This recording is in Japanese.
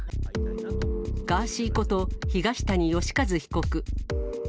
ガーシーこと、東谷義和被告。